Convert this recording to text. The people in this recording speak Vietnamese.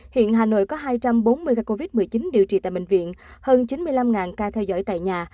hiện hà nội có hai trăm bốn mươi ca covid một mươi chín điều trị tại bệnh viện hơn chín mươi năm ca theo dõi tại nhà